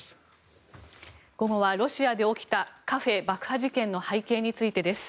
午後はロシアで起きたカフェ爆発事件の背景についてです。